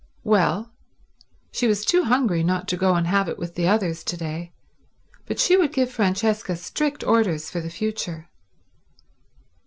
Well, she was too hungry not to go and have it with the others to day, but she would give Francesca strict orders for the future.